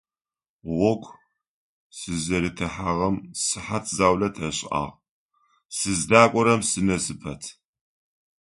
Гъогу сызэрытехьагъэм сыхьат заулэ тешӀагъ, сыздакӀорэм сынэсы пэт.